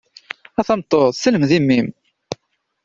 A tameṭṭut selmed i mmi-m!